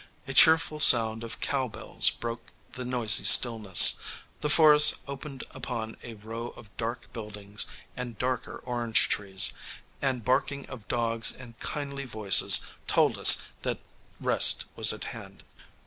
A cheerful sound of cow bells broke the noisy stillness, the forest opened upon a row of dark buildings and darker orange trees, and barking of dogs and kindly voices told us that rest was at hand.